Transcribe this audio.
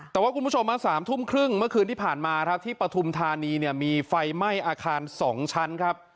แต่ว่าคุณผู้ชม๓ทุ่มครึ่งเมื่อคืนที่ผ่านมาครับที่ปฐุมธานีเนี่ยมีไฟไหม้อาคาร๒ชั้นครับ